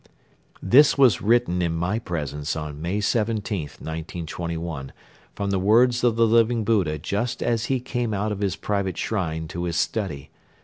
This was written in my presence on May 17th, 1921, from the words of the Living Buddha just as he came out of his private shrine to his study.